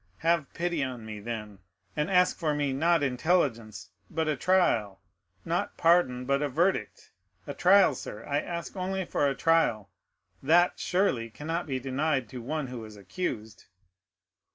Have pity on me, then, and ask for me, not intelligence, but a trial; not pardon, but a verdict—a trial, sir, I ask only for a trial; that, surely, cannot be denied to one who is accused!"